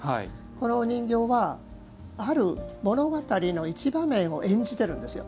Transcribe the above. このお人形はある物語の一場面を演じているんですよ。